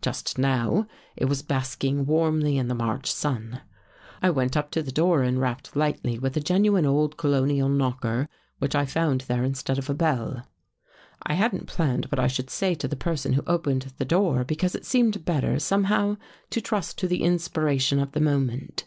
Just now, it was basking warmly in the March sun. " I went up to the door and rapped lightly with a genuine old colonial knocker which I found there instead of a bell. I hadn't planned what I should say to the person who opened the door, because it seemed better, somehow, to trust to the inspiration of the moment.